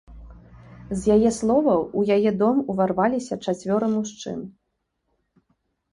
З яе словаў, у яе дом уварваліся чацвёра мужчын.